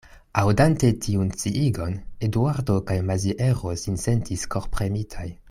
Aŭdante tiun sciigon, Eduardo kaj Maziero sin sentis korpremitaj.